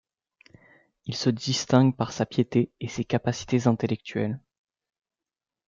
Il se distingue par sa piété et ses capacités intellectuelles.